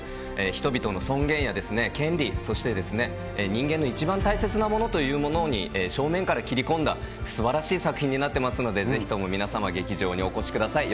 人々の尊厳や権利、そして人間の一番大切なものというものに正面から切り込んだすばらしい作品になってますので、ぜひとも皆様、劇場にお越しください。